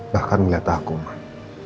bahkan ngeliat aku mak